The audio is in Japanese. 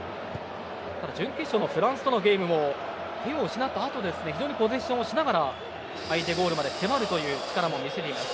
準決勝のフランスとのゲームも点を失ったあと非常にポゼッションをしながら相手ゴールまで迫る力も見せていました。